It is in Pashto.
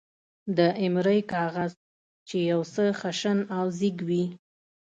د ایمرۍ کاغذ، چې یو څه خشن او زېږ وي.